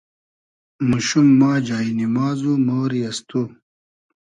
موشوم ما جای نیماز و مۉری از تو